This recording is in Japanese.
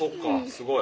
すごい。